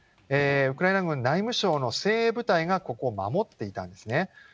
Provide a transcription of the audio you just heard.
ウクライナ軍内務省の精鋭部隊がここを守っていたんですね。